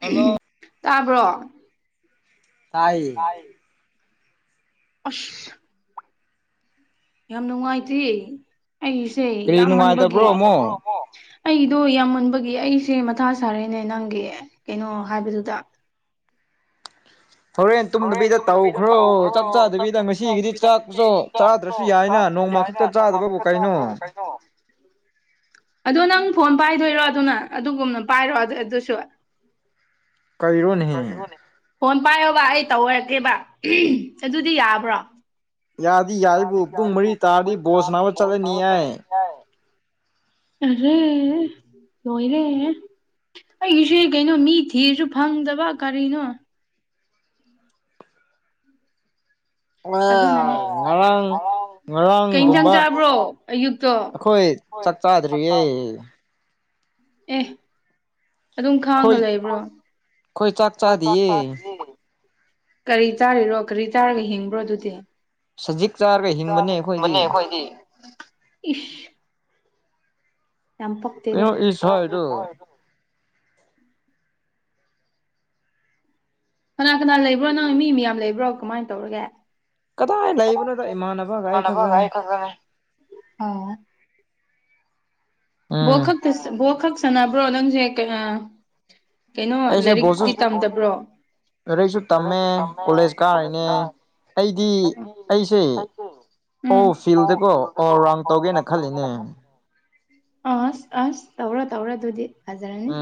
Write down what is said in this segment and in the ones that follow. [unintelligible] ꯇꯥꯕ꯭ꯔꯣ ꯇꯥꯏꯌꯦ ꯑꯁ ꯌꯥꯝ ꯅꯨꯡꯉꯥꯏꯇꯦ ꯑꯩꯒꯤꯁꯦ ꯌꯥꯝꯃꯟꯕꯒꯤ [unintelligible] ꯑꯩꯗꯣ ꯌꯥꯝ ꯃꯟꯕꯒꯤ ꯑꯩꯁꯦ ꯃꯊꯥ ꯁꯥꯔꯦꯅꯦ ꯅꯪꯒꯤ ꯀꯩꯅꯣ ꯍꯥꯏꯕꯗꯨꯗ ꯍꯣꯔꯦꯟ ꯇꯨꯝꯗꯕꯤꯗ ꯇꯧꯈ꯭ꯔꯣ ꯆꯥꯛ ꯆ ꯆꯥꯗꯕꯤꯗ ꯉꯁꯤꯒꯤꯗꯤ ꯆꯥꯛꯇꯣ ꯆꯥꯗ꯭ꯔꯁꯨ ꯌꯥꯏꯅ ꯅꯣꯡꯃ ꯈꯛꯇ ꯆꯥꯗꯕꯕꯨ ꯀꯩꯅꯣ ꯑꯗꯣ ꯅꯪ ꯐꯣꯟ ꯄꯥꯏꯗꯣꯏꯔꯣ ꯑꯗꯨꯅ ꯑꯗꯨꯒꯨꯝꯅ ꯄꯥꯏꯔꯣ ꯑꯗꯨꯁꯨ [unintelligible] ꯐꯣꯟ ꯄꯥꯏꯌꯣꯕ ꯑꯩ ꯇꯧꯔꯛꯀꯦꯕ [unintelligible] ꯑꯗꯨꯗꯤ ꯌꯥꯕ꯭ꯔꯣ ꯌꯥꯗꯤ ꯌꯥꯔꯤꯕꯨ ꯄꯨꯡ ꯃꯔꯤ ꯇꯥꯔꯗꯤ ꯕꯣꯜ ꯁꯥꯟꯅꯕ ꯆꯠꯂꯅꯤ ꯑꯩ ꯑꯔꯦ ꯂꯣꯏꯔꯦ ꯑꯩꯒꯤꯁꯦ ꯀꯩꯅꯣ ꯃꯤ ꯊꯤꯔꯁꯨ ꯐꯪꯗꯕ ꯀꯔꯤꯅꯣ [unintelligible] ꯉꯔꯥꯡ ꯉꯔꯥꯡꯒꯨꯝꯕ ꯑꯈꯣꯏ ꯆꯥꯛ ꯆꯥꯗ꯭ꯔꯤꯌꯦ ꯑꯦ ꯑꯗꯨꯝ ꯈꯥꯡꯉ ꯂꯩꯕ꯭ꯔꯣ ꯑꯩꯈꯣꯏ ꯆꯥꯛ ꯆꯗꯌꯦ ꯀꯔꯤ ꯆꯥꯔꯤꯔꯣ ꯀꯔꯤ ꯆꯥꯔꯒ ꯍꯤꯡꯕ꯭ꯔꯣ ꯑꯗꯨꯗꯤ [inaudible] ꯆꯔꯒ ꯍꯤꯡꯕꯅꯦ ꯑꯩꯈꯣꯏꯗꯤ ꯏꯁ ꯌꯥꯝ ꯄꯥꯛꯇꯗ [unintelligible] ꯀꯅꯥ ꯀꯅꯥ ꯂꯩꯕ꯭ꯔꯣ ꯅꯪ ꯃꯤ ꯃꯌꯥꯝ ꯂꯩꯕ꯭ꯔꯣ ꯀꯃꯥꯏꯅ ꯇꯧꯔꯒꯦ ꯀꯗꯥꯏ ꯂꯩꯕꯅꯣꯗ ꯏꯃꯥꯟꯅꯕꯒ ꯑꯩ ꯈꯛꯇꯅꯦ [unintelligible] ꯑꯣ ꯕꫭꯜ ꯈꯛꯇ ꯕꫭꯜ ꯈꯛ ꯁꯥꯟꯅꯕ꯭ꯔꯣ ꯅꯪꯁꯦ ꯀꯩꯅ ꯀꯩꯅꯣ ꯂꯥꯏꯔꯤꯛꯇꯤ ꯇꯝꯗꯕ꯭ꯔꯣ ꯂꯥꯏꯔꯤꯛꯁꯨ ꯇꯝꯃꯦ ꯀꯣꯂꯦꯖ ꯀꯥꯔꯤꯅꯦ ꯑꯩꯗꯤ ꯑꯩꯁꯦ ꯑꯣ ꯐꯤꯜꯗꯀꯣ ꯑꯣꯔꯥꯎ ꯇꯧꯒꯦꯅ ꯈꯜꯂꯤꯅꯦ ꯑꯁ ꯑꯁ ꯇꯧꯔꯣ ꯇꯧꯔꯣ ꯑꯗꯨꯗꯤ ꯐꯖꯔꯅꯤ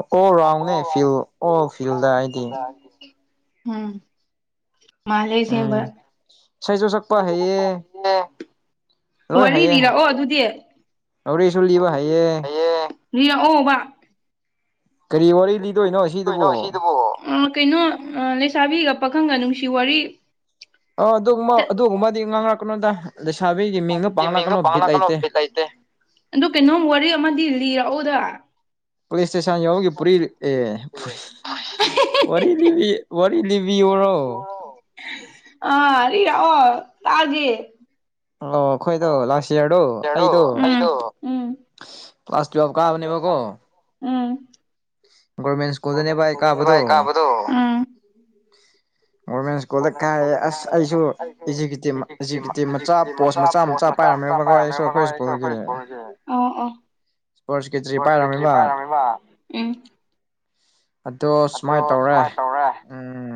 ꯑꯣꯔꯥꯎꯅꯦ ꯐꯤꯜ ꯑꯣ ꯐꯤꯜꯗ ꯑꯩꯗꯤ [inaudible] ꯎꯝ [inaudible] ꯃꯥꯜꯂꯦ ꯑꯁꯦꯡꯕ [unintelligible] ꯋꯥꯔꯤ ꯂꯤꯔꯛꯑꯣ ꯑꯗꯨꯗꯤ [unintelligible] ꯍꯌꯥꯪ ꯂꯤꯔꯛ ꯑꯣꯕ ꯀꯔꯤ ꯋꯥꯔꯤ ꯂꯤꯗꯣꯏꯅꯣ ꯁꯤꯗꯕꯣ ꯑꯥ ꯀꯩꯅꯣ ꯑꯥ ꯂꯩꯁꯥꯕꯤꯒ ꯄꯥꯈꯪꯒ ꯅꯨꯡꯁꯤ ꯋꯥꯔꯤ ꯑꯣ ꯑꯗꯨꯒꯨꯝꯕ ꯑꯗꯨꯒꯨꯝꯕꯗꯤ ꯉꯥꯡꯂꯛꯀꯅꯣꯗ ꯂꯩꯁꯥꯕꯤꯒꯤ ꯃꯤꯡꯗꯣ ꯄꯥꯡꯂꯛꯀꯅꯣ ꯕꯤꯠ ꯂꯩꯇꯦ ꯂꯩꯇꯦ ꯑꯗꯣ ꯀꯩꯅꯣꯝ ꯋꯥꯔꯤ ꯑꯃꯗꯤ ꯂꯤꯔꯛ ꯎꯗ ꯄꯨꯂꯤꯁ ꯏꯁꯇꯦꯁꯟ ꯌꯧꯒꯤ ꯄꯨꯔꯤ ꯑꯦ [unintelligible] [unintelligible] ꯋꯥꯔꯤ ꯂꯤꯕꯤ ꯋꯥꯔꯔꯤ ꯂꯤꯕꯤ ꯌꯣꯔꯣ ꯑꯥ ꯔꯤꯔꯛꯑꫭ ꯇꯥꯗꯦ ꯑꯣ ꯑꯩꯈꯣꯏꯗꯣ ꯂꯥꯁ ꯌꯔꯗꯣ ꯑꯩꯗꯣ ꯀ꯭ꯂꯥꯁ ꯇꯨꯌꯜꯕ ꯀꯥꯕꯅꯦꯕꯀꯣ ꯎꯝ [unintelligible] ꯀꯥꯕꯗꯣ ꯑꯣꯔꯕꯦꯖ [unintelligible] ꯀꫭꯜꯗ ꯀꫭꯜꯗꯗꯤ ꯍꯥꯏꯕꯒꯦ ꯑꯁ ꯑꯩꯖꯨ ꯍꯧꯖꯤꯛꯇꯤ ꯍꯧꯖꯤꯛꯇꯤ ꯃꯆꯥ ꯀꫭꯟꯕ [unintelligible] ꯃꯆꯥ ꯃꯆꯥ ꯄꯥꯏꯔꯝꯃꯦꯕꯀ‌ꯣ ꯑꯩꯁꯨ ꯑꯩꯈꫭꯏ ꯁ꯭ꯀꯜꯒꯤ ꯑꫭ ꯑꫭ ꯐꯁ ꯈꯦꯇꯔꯤ ꯄꯥꯏꯔꯝꯃꯤꯕ ꯑꯝ ꯑꯗꯣ ꯁꯨꯃꯥꯏꯅ ꯇꯧꯔꯦ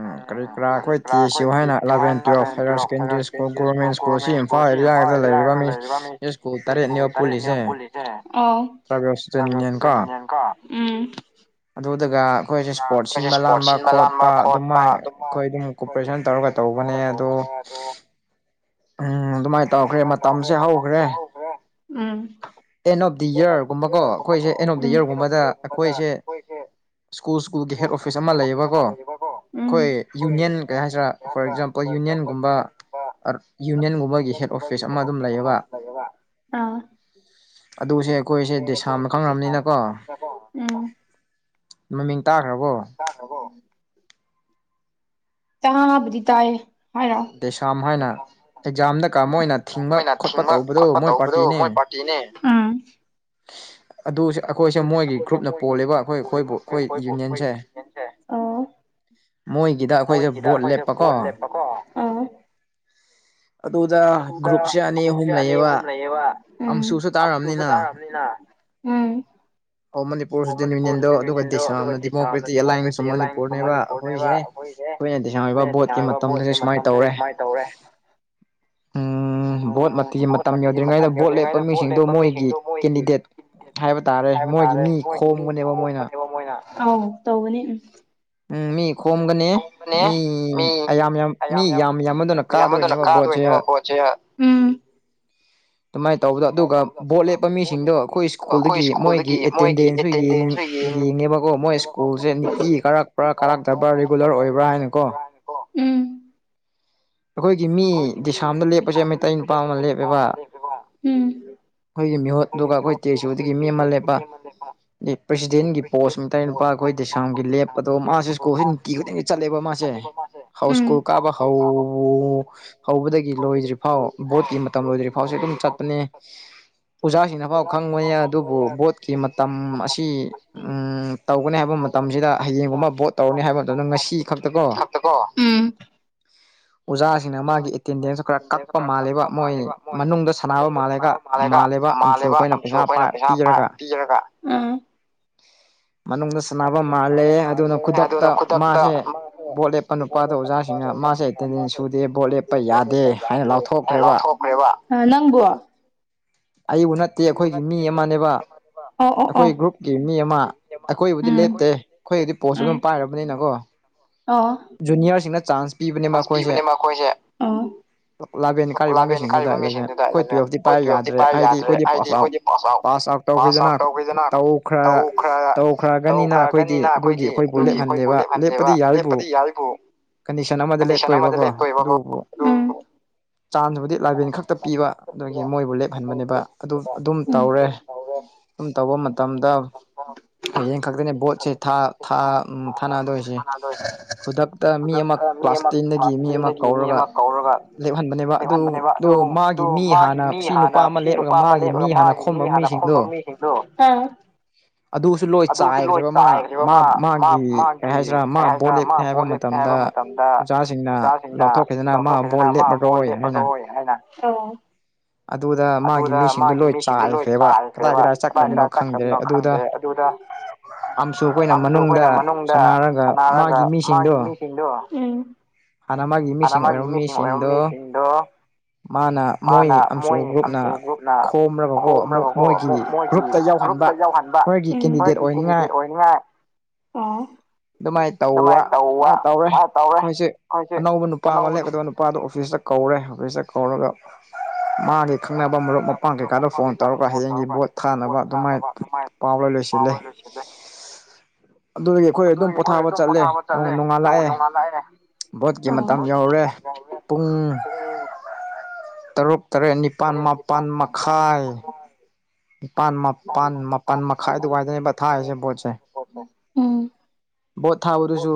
ꯅꯨꯡꯅꯨꯡꯅ ꯀꯔꯤ ꯀꯔꯥ ꯑꯩꯈꫭꯏꯒꯤ ꯊꯤꯌ‌ꯣꯟꯍꯥꯟ ꯂꯥꯛꯈ꯭ꯔ‌ꯦ twelve higher secondary school government school ꯁꯤ ꯏꯝꯐꯥꯜ ꯑꯦꯔꯤꯌꯥ ꯗ ꯂꯩꯔꯤꯕ ꯃꯤ ꯁ꯭ꯀꯨꯜ ꯇꯔꯦꯠꯅꯤꯕ ꯄꯨꯜꯂꯤꯁꯦ ꯑꯗꫭ [unintelligible] ꯎꯝ ꯑꯗꯨ ꯗꯒ ꯑꯩꯈꯣꯏꯁꯦ ꯏꯁꯄꯣꯔꯠ ꯁꯤꯟꯕ ꯂꯥꯟꯕ ꯈꯣꯠꯄ ꯑꯗꯨꯃꯥꯏ ꯑꯩꯈꯣꯏ ꯑꯗꯨꯝ ꯀꯣꯄꯔꯦꯁꯟ ꯇꯧꯔꯒ ꯇꯧꯕꯅꯦ ꯑꯗꯣ ꯎꯝ ꯎꯝ ꯑꯗꯨꯃꯥꯏꯅ ꯇꯧꯈ꯭ꯔꯦ ꯃꯇꯝꯁꯦ ꯍꯧꯈ꯭ꯔꯦ ꯎꯝ ꯑꯦꯟ ꯑꯣꯐ ꯗ ꯌꯔꯒꯨꯝꯕ ꯀꯣ ꯑꯩꯈꯣꯏꯁꯦ ꯑꯦꯟ ꯑꯣꯐ ꯗ ꯌꯔꯒꯨꯝꯕꯗ ꯑꯩꯈꯣꯏꯁꯦ ꯀꯁꯦ ꯁ꯭ꯀꯨꯜ ꯁ꯭ꯀꯨꯜꯒꯤ ꯍꯦꯠ ꯑꯣꯐꯤꯁ ꯑꯃ ꯂꯩꯌꯦꯕꯀꯣ ꯑꯩꯈꯣꯏ ꯌꯨꯅꯤꯌꯟ ꯀꯩ ꯍꯥꯏꯁꯤꯔꯥ ꯐꯣꯔ ꯑꯦꯛꯖꯝꯄꯜ ꯌꯨꯅꯤꯌꯟꯒꯨꯝꯕ ꯌꯨꯅꯤꯟꯒꯨꯝ ꯒꯨꯝꯕꯒꯤ ꯍꯠ ꯑꯣꯐꯤꯁ ꯑꯃ ꯑꯗꯨꯝ ꯂꯩꯌꯦꯕ ꯑꯣ ꯑꯗꯨꯁꯦ ꯑꯩꯈꯣꯏꯁꯦ ꯗꯦꯁꯥꯝ ꯃꯈꯣꯏ ꯔꯝꯅꯤꯅꯀꯣ ꯃꯃꯤꯡ ꯇꯥꯈ꯭ꯔꯕꯣ ꯇꯥꯗꯕꯣ ꯇ ꯕꯗꯤ ꯇꯥꯏꯌꯦ ꯍꯥꯏꯔꯣ [inaudible] ꯈꯣꯏꯅ ꯊꯤꯡꯕ ꯈꯣꯠꯄ ꯇꯧꯕꯗꯨ ꯃꯣꯏ ꯏꯅꯦ ꯎꯝ ꯑꯗꯨ ꯑꯩꯈꯣꯏꯁꯦ ꯃꯣꯏꯒꯤ ꯒ꯭ꯔꯨꯞꯅ ꯄꯣꯜꯂꯤꯕ ꯑꯩꯈꯣꯏ ꯑꯩꯈꯣꯏꯕꯨ ꯑꯩꯈꯣꯏ ꯌꯨꯅꯤꯌꯟꯁꯦ ꯃꯣꯏꯒꯤꯗ ꯑꯩꯈꯣꯏꯁꯦ ꯕꯣꯠ ꯂꯦꯞꯄꯀꯣ ꯑ ꯑꯗꯨꯗ ꯒ꯭ꯔꯨꯞꯁꯦ ꯑꯅꯤ ꯑꯍꯨꯝ ꯂꯩꯌꯦꯕ ꯑꯝꯁꯨꯁꯨ ꯇꯥꯔꯝꯅꯤꯅ ꯎꯝ ꯑꯣ ꯃꯅꯤꯄꯨꯔ ꯏꯁꯇꯨꯗꯦꯟ ꯌꯨꯅꯤꯌꯟꯗꯣ ꯑꯗꯨꯒ ꯗꯦꯁꯥꯝꯅ ꯗꯦꯃꯣꯀ꯭ꯔꯦꯇꯤꯛ ꯑꯦꯂꯥꯏꯟꯁ ꯑꯣꯐ ꯃꯅꯤꯄꯨꯔꯅꯦꯕ ꯑꯩꯈꯣꯏꯁꯦ ꯈꯣꯏꯅꯥ ꯗꯤꯁꯝ ꯑꯣꯏꯕ ꯕꯣꯠꯀꯤ ꯃꯇꯝꯗꯗꯤ ꯁꯨꯃꯥꯏ ꯁꯨꯃꯥꯏ ꯇꯧꯔꯦ ꯎꯝ ꯕꯣꯠ ꯃꯇꯤ ꯃꯇꯝ ꯌꯧꯗ꯭ꯔꯉꯩꯗ ꯕꯣꯠ ꯂꯦꯞꯄ ꯃꯤꯁꯤꯡꯗꯣ ꯃꯣꯏꯒꯤ ꯍꯥꯏꯕ ꯇꯥꯔꯦ ꯃꯣꯏꯗꯨ ꯃꯤ ꯈꯣꯝꯕꯅꯦꯕ ꯃꯣꯏꯅ ꯑꯧ ꯇꯧꯕꯥꯅꯦ ꯎꯝ ꯃꯤ ꯈꯣꯡꯕꯅꯦ ꯃꯤ [unintelligible] ꯃꯌꯥꯝ ꯃꯟꯗꯨꯅ ꯀꯥꯗꯣꯏꯅꯦꯕ ꯕꯣꯠꯁꯦ ꯎꯝ ꯑꯗꯨꯃꯥꯏ ꯇꯧꯕꯗꯣ ꯑꯗꯨꯒ ꯕꯣꯠ ꯂꯦꯞꯄ ꯃꯤꯁꯤꯡꯗꯣ ꯑꯩꯈꯣꯏ ꯁ꯭ꯀꯨꯜꯗꯒꯤ ꯃꯣꯏꯒꯤ ꯑꯦꯇꯦꯟꯗꯦꯟꯁꯁꯨ ꯌꯦꯡ ꯌꯦꯡꯉꯦꯕꯀꯣ ꯃꯣꯏ ꯁ꯭ꯀꯨꯜꯁꯦ ꯅꯤꯀꯤ ꯀꯥꯔꯛꯄ꯭ꯔꯥ ꯀꯥꯔꯛꯇꯕ꯭ꯔꯥ ꯔꯤꯒꯨꯂꯔ ꯑꯣꯏꯕ꯭ꯔꯥ ꯍꯥꯏꯅ ꯀꯣ ꯎꯝ ꯑꯩꯈꯣꯏꯒꯤ ꯃꯤ ꯗꯦꯁꯥꯝꯗ ꯂꯦꯞꯄꯁꯦ ꯃꯩꯇꯩ ꯅꯨꯄꯥ ꯑꯃ ꯂꯦꯞꯄꯦꯕ ꯎꯝ ꯑꯩꯈꯣꯏꯒꯤ ꯃꯤꯍꯨꯠ ꯑꯗꯨꯒ ꯑꯩꯈꯣꯏ ꯇꯦꯖꯨꯗꯒꯤ ꯃꯤ ꯑꯃ ꯂꯦꯞꯄ ꯄ꯭ꯔꯁꯤꯗꯦꯟꯒꯤ ꯄꯣꯁ ꯃꯩꯇꯩ ꯅꯨꯄꯥꯈꯣꯏ ꯗꯦꯁꯥꯝꯒꯤ ꯂꯦꯞꯄꯗꯣ ꯃꯥꯁꯦ ꯁ꯭ꯀꯨꯜꯁꯦ ꯅꯨꯡꯇꯤ ꯈꯨꯗꯤꯡꯒꯤ ꯆꯠꯂꯦꯕ ꯃꯥꯁꯦ ꯍꯥꯎ ꯁꯀꯨꯜ ꯀꯥꯕ ꯍꯧ ꯍꯧ ꯍꯧꯕꯗꯒꯤ ꯂꯣꯏꯗ꯭ꯔꯤꯐꯥꯎ ꯕꯣꯠꯀꯤ ꯃꯇꯝ ꯂꯣꯏꯗ꯭ꯔꯤ ꯐꯥꯎꯁꯦ ꯑꯗꯨꯝ ꯆꯠꯄꯅꯦ ꯑꯣꯖꯥꯁꯤꯡꯅꯐꯥꯎ ꯈꯪꯕꯅꯤ ꯑꯗꯨꯕꯨ ꯕꯣꯠꯀꯤ ꯃꯇꯝ ꯑꯁꯤ ꯎꯝ ꯇꯧꯒꯅꯤ ꯍꯥꯏꯕ ꯃꯇꯝꯁꯤꯗ ꯍꯌꯦꯡꯒꯨꯝꯕ ꯕꯣꯠ ꯇꯧꯔꯅꯤ ꯍꯥꯏꯕ ꯃꯇꯝꯗ ꯉꯁꯤ ꯈꯛꯇꯀꯣ ꯀꯣ ꯑꯣꯖꯥꯁꯤꯡꯅ ꯃꯥꯒꯤ ꯑꯦꯇꯦꯟꯗꯦꯟꯁꯇꯣ ꯈꯔ ꯀꯛꯄ ꯃꯥꯜꯂꯦꯕ ꯃꯣꯏ ꯃꯅꯨꯡꯗ ꯁꯥꯟꯅꯕ ꯃꯥꯜꯂꯦꯒ ꯃꯥꯜꯂꯦꯕ ꯑꯝꯁꯨ ꯑꯩꯈꯣꯏꯅ ꯄꯩꯁꯥ ꯄꯤꯔꯒ ꯃꯅꯨꯡꯗ ꯁꯥꯟꯅꯕ ꯃꯥꯜꯂꯦ ꯑꯗꯨꯅ ꯈꯨꯗꯛꯇ ꯃꯥꯁꯦ ꯕꯣꯠ ꯂꯦꯞꯄ ꯅꯨꯄꯥꯗꯣ ꯑꯣꯖꯥꯁꯤꯡꯅ ꯃꯥꯁꯦ ꯇꯦꯟꯗꯦꯟ ꯁꯨꯗꯦ ꯕꯣꯠ ꯂꯦꯞꯄ ꯌꯥꯗꯦ ꯍꯥꯏꯅ ꯂꯥꯎꯊꯣꯛꯈ꯭ꯔꯦꯕ ꯅꯪꯕꯋꯥ ꯑꯩꯕꯨ ꯅꯠꯇꯦ ꯑꯩꯈꯣꯏꯒꯤ ꯃꯤ ꯑꯃꯅꯦꯕ ꯑꯩꯈꯣꯏ ꯒ꯭ꯔꯨꯞꯀꯤ ꯃꯤ ꯑꯃ ꯑꯩꯈꯣꯏ ꯑꯩꯈꯣꯏꯕꯨꯗꯤ ꯂꯦꯞꯇꯦ ꯑꯩꯈꯣꯏꯒꯤꯗꯤ ꯄꯣꯁ ꯑꯗꯨꯝ ꯄꯥꯏꯔꯕꯅꯤꯅꯀꯣ ꯖꯨꯅꯤꯌꯔꯁꯤꯡꯅ ꯆꯥꯟꯁ ꯆꯥꯟꯁ ꯄꯤꯕꯅꯦ ꯃꯈꯣꯏꯁꯦ ꯏꯂꯥꯚꯦꯟ ꯀꯥꯔꯤꯕ ꯃꯤꯁꯤꯡꯗꯨꯗ ꯏꯂꯚꯦꯟ ꯑꯩꯈꯣꯏ ꯇꯨꯋꯦꯜꯐꯇꯤ ꯄꯥꯏ ꯌꯥꯗ꯭ꯔꯦ ꯍꯥꯏꯗꯤ ꯑꯩꯈꯣꯏꯗꯤ ꯄꯥꯁ ꯑꯥꯎꯠ ꯄꯥꯁ ꯑꯥꯎꯠ ꯇꯧꯈꯤꯗꯅ ꯇꯧꯈ꯭ꯔ ꯈ꯭ꯔꯒꯅꯤꯅ ꯑꯩꯈꯣꯏꯗꯤ ꯑꯗꯨꯒꯤ ꯑꯩꯈꯣꯏꯕꯨ ꯂꯦꯞꯍꯟꯗꯦꯕ ꯂꯦꯞꯄꯗꯤ ꯌꯥꯔꯤꯔꯤꯕꯨ ꯀꯟꯗꯤꯁꯟ ꯑꯃꯗ ꯂꯦꯞꯇꯣꯏꯕꯀꯣ ꯑꯗꯨꯕꯨ ꯆꯥꯟꯗꯨꯕꯨꯗꯤ ꯂꯥꯏꯕꯦꯟ ꯈꯛꯇ ꯄꯤꯕ ꯑꯗꯨꯒꯤ ꯃꯣꯏꯕꯨ ꯂꯦꯞ ꯍꯟꯕꯅꯦꯕ ꯑꯗꯨ ꯑꯗꯨꯝ ꯇꯧꯔꯦ ꯑꯗꯨꯝ ꯇꯧꯕ ꯃꯇꯝꯗ ꯍꯌꯦꯡ ꯈꯛꯇꯅꯦ ꯕꯣꯠꯁꯦ ꯊꯥ ꯊꯥ ꯊꯥꯅꯗꯣꯏꯁꯦ ꯈꯨꯗꯛ ꯇ ꯃꯤ ꯑꯃ ꯀ꯭ꯂꯥꯁ ꯇꯦꯟꯗꯒꯤ ꯃꯤ ꯑꯃ ꯀꯧꯔꯒ ꯂꯦꯞꯍꯟꯕꯅꯦꯕ ꯂꯦꯞꯍꯟꯕꯅꯦꯕ ꯑꯗꯨꯗꯣ ꯃꯥꯒꯤ ꯃꯤ ꯍꯥꯟꯅ ꯁꯤ ꯅꯨꯄꯥ ꯑꯃ ꯂꯦꯞꯄꯔ ꯃꯥꯒꯤ ꯃꯤ ꯍꯥꯟꯅ ꯈꯣꯝꯕ ꯃꯤꯁꯤꯡꯗꯣ ꯑꯗꯨꯁꯨ ꯂꯣꯏ ꯆꯥꯏꯈ꯭ꯔꯦꯕ ꯃꯥ ꯃꯥ ꯃꯥꯒꯤ ꯀꯩ ꯍꯥꯏꯗ꯭ꯔꯥ ꯃꯥ ꯕꯣꯠ ꯂꯦꯞꯅꯦ ꯍꯥꯏꯕ ꯃꯇꯝꯗ ꯑꯣꯖꯥꯁꯤꯡꯅ ꯂꯥꯎꯊꯣꯛꯈꯤꯗꯅ ꯑꯃ ꯑꯃ ꯕꯣꯠ ꯂꯦꯄꯥꯔꯣꯏ ꯍꯥꯏꯅ ꯑꯗꯨꯗ ꯃꯥꯒꯤ ꯃꯤꯁꯤꯡꯗꯣ ꯂꯣꯏ ꯆꯥꯏꯈ꯭ꯔꯦꯕ ꯀꯥꯗꯥꯏ ꯀꯗꯥꯏ ꯆꯠꯈ꯭ꯔꯕꯅꯣ ꯈꯪꯗ꯭ꯔꯦ ꯑꯗꯨꯗ ꯑꯝꯁꯨ ꯈꯣꯏꯅ ꯃꯅꯨꯡꯗ ꯁꯅꯥꯔꯒ ꯃꯥꯒꯤ ꯃꯤꯁꯤꯡꯗꯣ ꯍꯥꯟꯅ ꯃꯥꯒꯤ ꯃꯤꯁꯤꯡ ꯑꯣꯏꯔꯝ ꯃꯤꯁꯤꯡꯗꯣ ꯃꯥꯅ ꯃꯣꯏ ꯑ ꯒ꯭ꯔꯨꯞꯅ ꯈꯣꯝꯔꯒꯥꯀꯣ ꯑꯃꯨꯛ ꯃꯣꯏꯒꯤ ꯒ꯭ꯔꯨꯞ ꯀꯩ ꯌꯥꯎꯍꯟꯕ ꯎꯝ ꯑꯩꯈ‌ꯣꯏꯒꯤ ꯀꯦꯟꯗꯤꯗꯦꯠ ꯑꯣꯏꯅꯤꯡꯉꯥꯏ ꯑꯣ ꯑꯗꯨꯃꯥꯏꯅ ꯇꯧꯕ ꯑꯗꯨꯃꯥꯏꯅ ꯇꯧꯔꯦ ꯑꯩꯈꯣꯏꯁꯦ ꯑꯅꯧꯕ ꯅꯨꯄꯥ ꯑꯃ ꯂꯦꯞꯀꯗ ꯅꯨꯄꯥꯗꯨ ꯑꯣꯐꯤꯁꯇ ꯀꯧꯔꯦ ꯑꯣꯐꯤꯁꯇ ꯀꯧꯔꯒ ꯃꯥꯒꯤ ꯈꯪꯅꯕ ꯃꯔꯨꯞ ꯃꯄꯥꯡ ꯀꯩꯀꯥꯗ ꯐꯣꯟ ꯇꯧꯔꯒ ꯍꯌꯦꯡꯒꯤ ꯕꯣꯠ ꯊꯥꯅꯕ ꯑꯗꯨꯃꯥꯏꯅ ꯄꯥꯎ ꯂꯣꯏ ꯂꯣꯏꯁꯤꯜꯂꯦ [inaudible] ꯑꯗꯨꯗꯒꯤ ꯑꯩꯈꯣꯏ ꯑꯗꯨꯝ ꯄꯣꯊꯥꯕ ꯆꯠꯂꯦ ꯅꯣꯡꯉꯥꯜꯂꯥꯛꯑꯦ ꯚꯣꯠꯀꯤ ꯃꯇꯝ ꯌꯧꯔꯦ ꯄꯨꯡ ꯇꯔꯨꯛ ꯇꯔꯦꯠ ꯅꯤꯄꯥꯜ ꯃꯥꯄꯟ ꯃꯈꯥꯏ ꯅꯤꯄꯥꯜ ꯃꯄꯟ ꯃꯥꯄꯟ ꯃꯈꯥꯏ ꯑꯗꯨꯋꯥꯏꯗꯅꯦꯕ ꯊꯥꯔꯤꯁꯦ ꯕꯣꯠꯁꯦ ꯕꯣꯠ ꯊꯥꯕꯗꯨꯁꯨ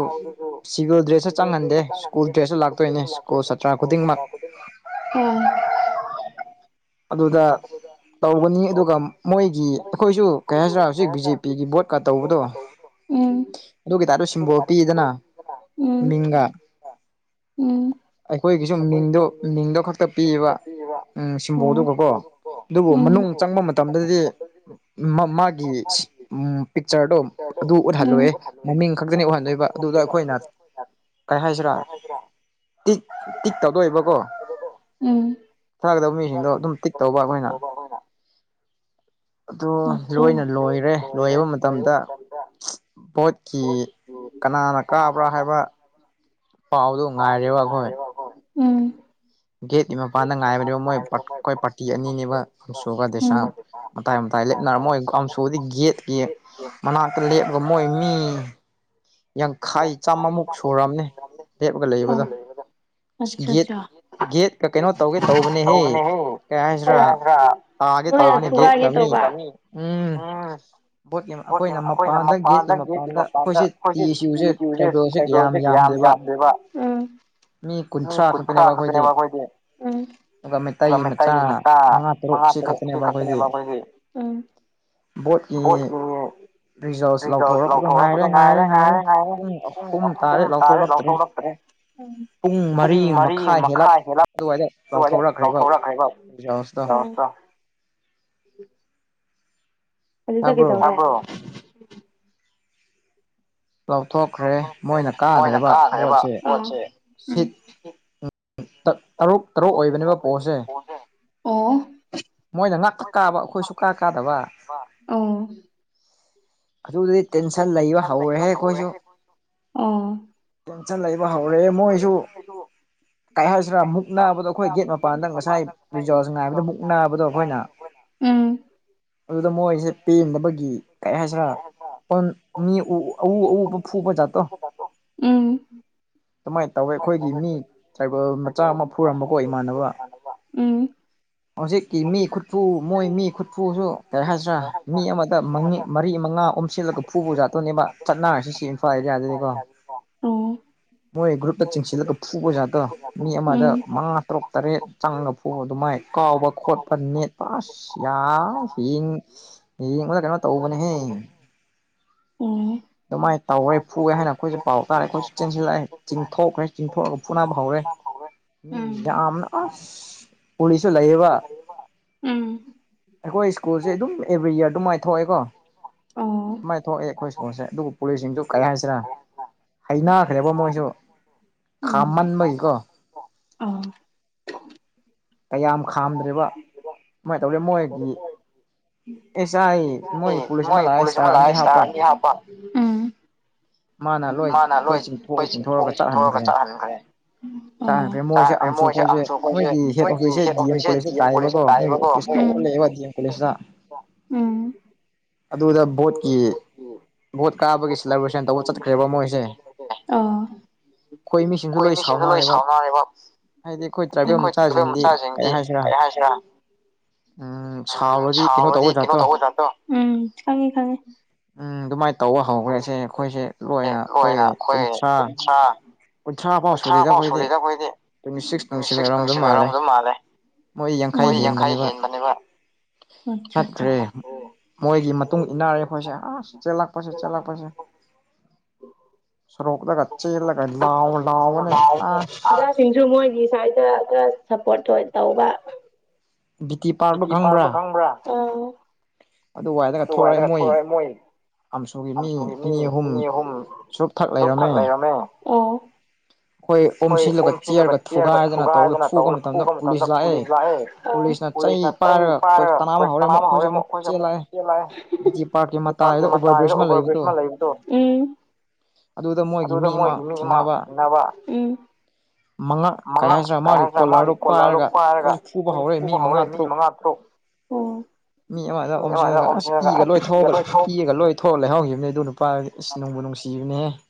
ꯁꯤꯚꯤꯜ ꯗ꯭ꯔꯦꯁꯁꯨ ꯆꯪꯍꯟꯗꯦ ꯁ꯭ꯀꯨꯜ ꯗ꯭ꯔꯦꯁꯁꯨ ꯂꯥꯛꯇꯣꯏꯅꯦ ꯁ꯭ꯀꯨꯜ ꯁꯥꯇ꯭ꯔꯥ ꯈꯨꯗꯤꯡꯃꯛ [unintelligible] ꯑꯗꯨꯗ ꯇꯧꯒꯅꯤ ꯑꯗꯨꯒ ꯃꯣꯏꯒꯤ ꯑꯩꯈꯣꯏꯁꯨ ꯀꯩ ꯍꯥꯏꯁꯤꯔꯥ ꯍꯧꯖꯤꯛ ꯕꯤ ꯖꯦ ꯄꯤꯒꯤ ꯚꯣꯠꯀꯥ ꯇꯧꯕꯗꯣ ꯑꯗꯨꯒꯤ ꯇꯥꯞꯇ‌ ꯇ ꯁꯤꯝꯕꯣꯜ ꯄꯤꯌ‌ꯦꯗꯅ ꯃꯤꯡꯒ ꯑꯩꯈꯣꯏꯒꯤꯁꯨ ꯃꯤꯡꯗꯣ ꯃꯤꯡꯗꯣ ꯈꯛꯇ ꯄꯤꯌ‌ꯦꯕ ꯎꯝ ꯁꯤꯝꯕ‌ꯣꯜꯗꯨꯒꯀ‌ꯣ ꯑꯗꯨꯕꯨ ꯃꯅꯨꯡ ꯆꯪꯕ ꯃꯇꯝꯗꯗꯤ ꯃꯥ ꯃꯥꯒꯤ ꯄꯤꯛꯆꯔꯗꯣ ꯑꯗꯨ ꯎꯠꯍꯜꯂ‌ꯣꯏꯌ‌ꯦ ꯃꯃꯤꯡ ꯈꯛꯇꯅꯤ ꯎꯍꯟꯗꯣꯏꯕ ꯑꯗꯨꯗ ꯑꯩꯈꯣꯏꯅ ꯀꯔꯤ ꯍꯥꯏꯁꯤꯔꯥ ꯇꯤꯛ ꯇꯤꯛ ꯇꯧꯗꯣꯏꯕꯀꯣ ꯊꯥꯒꯗꯧ ꯃꯤ ꯁꯤꯡꯗꯣ ꯑꯗꯨꯝ ꯇꯤꯛ ꯇꯧꯕ ꯑꯩꯈꯣꯏꯅ ꯑꯗꯨ ꯂꯣꯏꯅ ꯂꯣꯏꯔꯦ ꯂꯣꯏꯕ ꯃꯇꯝꯗ ꯚꯣꯠꯀꯤ ꯀꯅꯥꯅ ꯀꯥꯕ꯭ꯔꯥ ꯍꯥꯏꯕ ꯄꯥꯎꯗꯣ ꯉꯥꯏꯔꯦꯕꯀ‌ꯣ [unintelligible] ꯎꯝ ꯒꯦꯠꯀꯤ ꯃꯄꯥꯟꯗ ꯉꯥꯏꯕꯅꯦꯕ ꯃꯣꯏ ꯑꯩꯈꯣꯏ ꯄꯥꯔꯇꯤ ꯑꯅꯤꯅꯦꯕ ꯑꯝꯁꯨꯒ ꯗꯦꯁꯥꯝ ꯃꯇꯥꯏ ꯃꯇꯥꯏ ꯂꯦꯞꯅꯔ ꯃꯣꯏ ꯑ‌ꯦꯝꯁꯨꯗꯤ ꯒꯦꯠꯀꯤ ꯃꯅꯥꯛꯇ ꯂꯦꯞꯂꯒ ꯃꯣꯏ ꯃꯤ ꯌꯥꯡꯈꯩ ꯆꯥꯝꯃꯃꯨꯛ ꯁꯨꯔꯝꯅꯤ ꯂꯦꯞꯄꯒ ꯂꯩꯕꯗꯣ ꯑꯁ ꯒꯦꯠ ꯒꯦꯠꯀ ꯀꯩꯅꯣ ꯇꯧꯒꯦ ꯇꯧꯕꯅꯦꯍꯦ ꯀꯩ ꯍꯥꯏꯁꯤꯔꯥ ꯇꯥꯒꯦ ꯇꯧꯕꯅꯦ ꯒꯦꯠꯀꯥ ꯃꯤ ꯎꯝ ꯕꯣꯠ ꯑꯩꯈꯣꯏꯅ ꯃꯄꯥꯟꯗ ꯒꯦꯠꯀꯤ ꯃꯄꯥꯟꯗ ꯑꯩꯈꯣꯏꯁꯦ ꯇꯤ ꯏꯁꯨꯁꯦ ꯇ꯭ꯔꯥꯏꯕ‌ꯦꯜꯁꯦ ꯀꯌꯥꯝ ꯌꯥꯝꯗꯦꯕ ꯃꯤ ꯀꯨꯟꯊ꯭ꯔꯥ ꯈꯛꯇꯅꯦꯕ ꯑꯩꯈꯣꯏꯗꯤ ꯑꯗꯨꯒ ꯃꯩꯇꯩ ꯃꯆꯥ ꯃꯉꯥ ꯇꯔꯨꯛ ꯁꯤ ꯈꯛꯇꯅꯦꯕ ꯑꯩꯈꯣꯏꯒꯤ ꯕꯣꯠꯀꯤ ꯔꯤꯖꯜꯁ ꯂꯥꯎꯊꯣꯔꯛꯄꯗꯣ ꯉꯥꯏꯔꯦ ꯉꯥꯏꯔꯦ ꯉꯥꯏꯔꯦ ꯄꯨꯡ ꯑꯍꯨꯝ ꯇꯥꯔ‌ꯦ ꯂꯥꯎꯊꯣꯛꯂꯛꯇ꯭ꯔꯦ ꯄꯨꯡ ꯃꯔꯤ ꯃꯈꯥꯏ ꯍꯦꯜꯂꯞ ꯑꯗꯨꯋꯥꯏꯗ ꯂꯥꯎꯊꯣꯔꯛꯈ꯭ꯔꯦꯀ‌ꯣ ꯔꯤꯖꯜꯁꯇꯣ [unintelligible] ꯑꯗꯨꯗ ꯀꯩꯗꯧꯔꯦ ꯂꯥꯎꯊꯣꯛꯈ꯭ꯔꯦ ꯃꯣꯏꯅ ꯀꯥꯈ꯭ꯔꯦꯕ ꯕꯣꯠꯁꯦ ꯕꯣꯠꯁꯦ ꯁꯤꯠ ꯇꯔꯨꯛ ꯇꯔꯨꯛ ꯑꯣꯏꯕꯅꯦꯕ ꯄꯣꯠꯁꯦ ꯑꯣ ꯃꯣꯏꯅ ꯉꯥꯛꯇ ꯀꯥꯕ ꯑꯩꯈꯣꯏ ꯁꯨꯡꯀꯥ ꯀꯥꯗꯕ ꯑꯣ ꯑꯗꯨꯗꯗꯤ ꯇꯦꯟꯁꯟ ꯂꯩꯕ ꯍꯧꯔꯦꯍꯦ ꯑꯩꯈꯣꯏꯁꯨ ꯇꯦꯟꯁꯟ ꯂꯩꯕ ꯍꯧ ꯑꯦ ꯃꯣꯏꯁꯨ ꯀꯩ ꯍꯥꯏꯁꯤꯔꯥ ꯃꯨꯛ ꯅꯥꯕꯗꯣ ꯑꯩꯈꯣꯏ ꯒꯦꯠ ꯃꯄꯥꯟꯗ ꯉꯁꯥꯏ ꯔꯤꯖꯜꯁ ꯉꯥꯏꯕꯗ ꯃꯨꯛ ꯅꯥꯕꯗꯣ ꯑꯩꯈꯣꯏꯅ ꯎꯝ ꯑꯗꯨꯗ ꯃꯣꯏꯁꯦ ꯄꯦꯟꯗꯕꯒꯤ ꯀꯩ ꯍꯥꯏꯁꯤꯔꯥ ꯑꯣꯟ ꯃꯤ ꯎ ꯑꯎ ꯑꯎꯕ ꯐꯨꯄ ꯖꯥꯠꯇ‌ꯣ ꯎꯝ ꯑꯗꯨꯃꯥꯏꯅ ꯇꯧꯋꯦ ꯑꯩꯈꯣꯏꯒꯤ ꯃꯤ ꯇ꯭ꯔꯥꯏꯕꯦꯜ ꯃꯆꯥ ꯑꯃ ꯐꯨꯔꯝꯕꯀꯣ ꯏꯃꯥꯟꯅꯕ ꯎꯝ ꯍꯧꯖꯤꯛꯀꯤ ꯃꯤ ꯈꯨꯠꯄꯨ ꯃꯣꯏ ꯃꯤ ꯈꯨꯠꯐꯨꯁꯨ ꯀꯔꯤ ꯍꯥꯏꯁꯤꯔꯥ ꯃꯤ ꯑꯃꯗ ꯃꯪꯅꯤ ꯃꯔꯤ ꯃꯉꯥ ꯁꯤꯜꯂꯒ ꯐꯨꯕꯖꯥꯠꯇꯣꯅꯦꯕ ꯆꯠꯅꯔꯥꯁꯤ ꯁꯤ ꯏꯝꯐꯥꯜ ꯑꯦꯔꯤꯌꯥꯗꯗꯤꯀꯣ ꯎꯝ ꯃꯣꯏ ꯒ꯭ꯔꯨꯞꯇ ꯆꯤꯡꯁꯤꯜꯂꯒ ꯐꯨꯕꯖꯥꯠꯇ‌ꯣ ꯃꯤ ꯑꯃꯗ ꯃꯉꯥ ꯇꯔꯨꯛ ꯇꯔꯦꯠ ꯆꯪꯉ ꯐꯨꯕ ꯑꯗꯨꯃꯥꯏ ꯀꯥꯎꯕ ꯈꯣꯠꯄ ꯅ‌ꯦꯠ ꯄꯁ ꯌꯥ ꯌ‌ꯦꯡ ꯌ‌ꯦꯡꯕꯗ ꯀꯩꯅꯣ ꯇꯧꯕꯅꯦꯍꯦ ꯎꯝ ꯑꯗꯨꯃꯥꯏꯅ ꯇꯧꯔꯦ ꯐꯨꯑꯦ ꯍꯥꯏꯅ ꯑꯩꯈꯣꯏꯁꯨ ꯄꯥꯎ ꯇꯥꯔꯦ ꯑꯩꯈꯣꯏꯁꯨ ꯆꯦꯟꯁꯤꯜꯂꯛꯑꯦ ꯆꯤꯡꯊꯣꯛꯈ꯭ꯔꯦ ꯆꯤꯡꯊꯣꯛꯑꯒ ꯐꯨꯅꯕ ꯍꯧꯔꯦ ꯃꯤ ꯌꯥꯝꯅ ꯑꯁ ꯄꯨꯂꯤꯁꯁꯨ ꯂꯩꯌꯦꯕ ꯑꯩꯈꯣꯏ ꯁ꯭ꯀꯨꯜꯁꯦ ꯑꯗꯨꯝ ꯑꯦꯕ꯭ꯔꯤ ꯌꯥ꯭ꯔ ꯑꯗꯨꯃꯥꯏꯅ ꯊꯣꯛꯑꯦꯀꯣ ꯃꯥꯏ ꯊꯣꯛꯑꯦ ꯑꯩꯈꯣꯏ ꯇꯧꯁꯦ ꯑꯗꯨꯒ ꯄꯨꯂꯤꯁꯁꯤꯡꯁꯨ ꯀꯔꯤ ꯍꯥꯏꯁꯤꯔ ꯍꯩꯅꯈ꯭ꯔꯦꯕ ꯃꯣꯏꯁꯨ ꯈꯥꯝꯃꯟꯕꯒꯤꯀꯣ ꯑꯥ ꯀꯌꯥꯝ ꯈꯥꯝꯗ꯭ꯔꯦꯕ ꯁꯃꯥꯏꯅ ꯇꯧꯗꯦ ꯃꯣꯏꯒꯤ ꯑꯦꯁꯥꯏ ꯃꯣꯏ ꯄꯨꯂꯤꯁ ꯑꯃ ꯂꯥꯛꯑ‌ꯦ ꯏꯁꯇꯥ ꯑꯅꯤ ꯍꯥꯞꯄꯥ ꯃꯥꯅ ꯂꯣꯏ ꯊꯣꯏ ꯆꯤꯡꯊꯣꯛꯑ ꯆꯤꯡꯊꯣꯛꯑꯒ ꯆꯠꯍꯟꯈ꯭ꯔꯦ ꯆꯥꯅꯈꯦ ꯃꯣꯏꯁꯦ ꯑꯁꯨ ꯑꯩꯈꯣꯏꯁꯦ ꯃꯣꯏꯒꯤ ꯏꯁꯦꯠ ꯑꯣꯐꯤꯁꯁꯦ ꯗꯤ ꯑꯦꯝ ꯀꯣꯂꯦꯖꯇ ꯇꯥꯏꯑꯌꯦꯕꯀꯣ ꯃꯣꯏꯒꯤ ꯑꯣꯐꯤꯁ ꯇꯧꯕ ꯂꯩꯌ‌ꯦꯕ ꯗꯤ ꯑꯦꯝ ꯀꯣꯂꯦꯖꯇ ꯑꯗꯨꯗ ꯚ‌ꯣꯠꯀꯤ ꯑꯥ ꯑꯩꯈꯣꯏ ꯃꯤꯁꯤꯡꯁꯨ ꯂꯣꯏ ꯁꯥꯎꯅꯔꯦꯕ ꯑꯩꯈꯣꯏ ꯇꯕ ꯃꯆꯥꯁꯤꯡꯗꯤ ꯀꯔꯤ ꯍꯥꯏꯁꯤꯔꯥ ꯎꯝ ꯁꯥꯎꯔꯗꯤ ꯀꯩꯅꯣ ꯇꯧꯕꯖꯥꯠꯗꯣ ꯎꯝ ꯈꯪꯉ ꯈꯪꯉꯦ ꯎꯝ ꯑꯗꯨꯃꯥꯏꯅ ꯇꯧꯕ ꯍꯧꯈ꯭ꯔꯦꯁꯦ ꯑꯩꯈꯣꯏꯁꯦ ꯂꯣꯏꯅ ꯑꯩꯈꯣꯏ ꯀꯨꯟꯊ꯭ꯔꯥ ꯎꯟꯊꯔꯥ ꯐꯥꯎ ꯁꯨꯗ‌ꯦꯗ ꯑꯩꯈꯣꯏꯗꯤ ꯇꯨꯏꯟ ꯁꯤꯛꯁ ꯇꯨꯏꯟ ꯁꯦꯚꯦꯟ ꯑꯣꯏꯔꯝ ꯒꯗꯝ ꯃꯥꯜꯂꯦ ꯃꯣꯏ ꯌꯥꯡꯈꯥꯏ ꯍꯦꯟꯕꯅꯦꯕ ꯃꯣꯏꯒꯤ ꯃꯇꯨꯡ ꯏꯟꯅꯔꯦ ꯑꯩꯈꯣꯏꯁꯦ ꯑꯁ ꯆꯦꯜꯂꯛꯄꯁꯦ ꯆꯦꯜꯂꯛꯄꯁꯦ ꯁ‌ꯣꯔꯣꯗꯒ ꯆ‌ꯦꯜꯂꯒ ꯂꯥꯎꯑꯣ ꯂꯥꯎꯑꯣꯋꯅꯦ ꯑꯁ ꯏꯆꯥꯁꯤꯡꯁꯨ ꯃꯣꯏꯒꯤ ꯁꯥꯏꯗ ꯈ ꯁꯄꯣ꯭ꯔꯠ ꯇꯧꯕ ꯕꯤꯇꯤ ꯄꯥ꯭ꯔꯗ‌ꯣ ꯈꯪꯕ꯭ꯔꯥ ꯑꯗꯨ ꯋꯥꯏꯗꯒ ꯊꯣꯛꯔꯛꯑꯦ ꯃꯣꯏ ꯑꯝꯁꯨꯒꯤ ꯃꯤ ꯑꯅꯤ ꯑꯍꯨꯝ ꯆꯨꯞ ꯊꯥꯛ ꯂꯩꯔꯝꯃꯦ ꯑꯩꯈꯣꯏ ꯑꯣꯝꯁꯤꯜꯂꯒ ꯆꯦꯑꯥ꯭ꯔꯒ ꯊꯨꯒꯥꯏꯗꯅ ꯇꯧꯔ ꯊꯨꯕ ꯃꯇꯝꯗ ꯄꯨꯂꯤꯁ ꯂꯥꯛꯑꯦ ꯄꯨꯂꯤꯁꯅ ꯆꯩ ꯄꯥꯏꯔꯒ ꯑꯩꯈꯣꯏ ꯇꯔꯥ ꯑꯃ ꯍꯧꯔꯦ ꯑꯃꯨꯛ ꯑꯩꯈꯣꯏꯁꯨ ꯑꯃꯨꯛ ꯆꯦꯜ ꯂꯥꯛꯑꯦ ꯇ꯭ꯔꯥꯏꯗ ꯑꯣꯕ꯭ꯔꯕ꯭ꯔꯤꯖ ꯃꯥ ꯂꯩꯕ ꯗ‌ꯣ ꯑꯗꯨꯗ ꯃꯣꯏꯒꯤ ꯃꯤ ꯑꯃ ꯎꯟꯅꯅꯕ ꯃꯉꯛ ꯀꯩ ꯍꯥꯏꯁꯤꯔꯥ ꯃꯥꯒꯤ ꯀꯣꯂ꯭ꯔꯗꯣ ꯄꯥꯏꯔꯒ ꯑꯩꯈꯣꯏꯁꯨ ꯐꯨꯕ ꯍꯧꯔꯛꯏ ꯃꯤ ꯃꯉꯥ ꯇ꯭ꯔꯨꯛ ꯫ ꯃꯤ ꯑꯃꯗ ꯑꯣꯝꯁꯤꯂꯒ ꯑꯁ ꯏꯒ ꯂꯣꯏ ꯊꯣꯛꯔꯒ ꯏꯒ ꯂ‌ꯣꯏ ꯊꯣꯛꯑ ꯂꯩꯍꯧꯈꯤꯕꯅꯦ ꯑꯗꯨ ꯅꯨꯄꯥꯗꯨꯗꯤ ꯅꯨꯡꯕꯨ ꯅꯨꯡꯁꯤꯕꯅꯦꯍ‌ꯦ ꯫